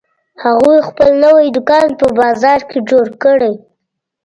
هغوی خپل نوی دوکان په بازار کې جوړ کړی